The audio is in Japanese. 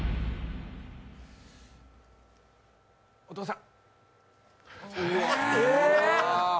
お父さん。